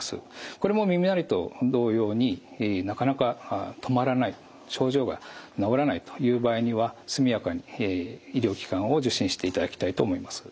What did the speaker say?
これも耳鳴りと同様になかなか止まらない症状が治らないという場合には速やかに医療機関を受診していただきたいと思います。